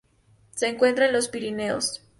Se encuentra en los Pirineos.